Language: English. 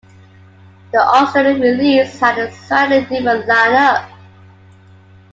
The Australian release had a slightly different line-up.